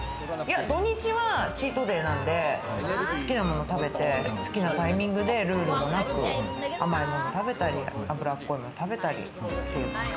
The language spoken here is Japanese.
土日はチートデイなんで好きなものを食べて、好きなタイミングでルールもなく、甘いものを食べたり、脂っこいものを食べたり。